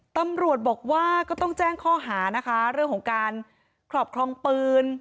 ตำรวจบอกว่าก็ต้องแจ้งข้อหานะคะเรื่องของการครอบครองปืน